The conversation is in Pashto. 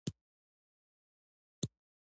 د افغانستان جلکو د افغانستان د انرژۍ سکتور برخه ده.